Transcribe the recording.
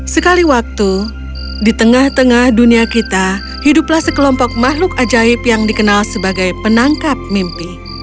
sekali waktu di tengah tengah dunia kita hiduplah sekelompok makhluk ajaib yang dikenal sebagai penangkap mimpi